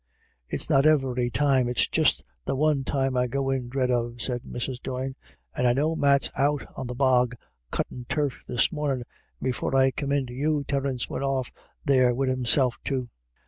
" It's not every time, it's just the one time I go in dread of," said Mrs. Doyne, " and I know Matt's out on the bog cuttin' turf this mornin', and before I came in to you Terence went off there wid himself too.